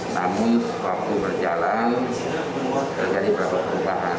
namun waktu berjalan terjadi beberapa perubahan